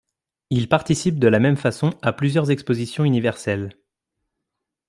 Il participe de la même façon à plusieurs expositions universelles.